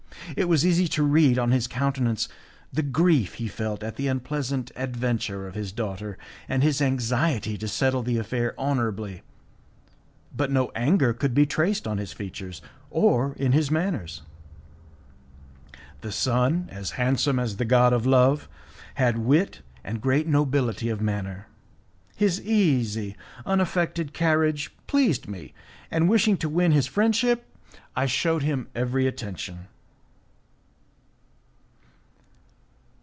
It was easy to read on his countenance the grief he felt at the unpleasant adventure of his daughter, and his anxiety to settle the affair honourably, but no anger could be traced on his features or in his manners. The son, as handsome as the god of love, had wit and great nobility of manner. His easy, unaffected carriage pleased me, and wishing to win his friendship I shewed him every attention.